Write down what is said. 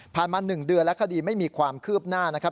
มา๑เดือนและคดีไม่มีความคืบหน้านะครับ